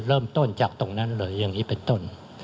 เริ่มต้นจากตรงนั้นเลยอย่างนี้เป็นต้น